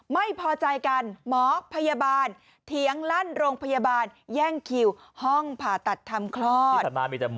ไม่พอใจกันหมอพยาบาลเถียงลั่นโรงพยาบาลแย่งคิวห้องผ่าตัดทำคลอด